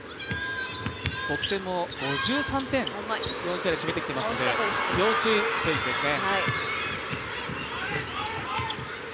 得点も、５３点４試合で決めてきているので要注意選手ですね。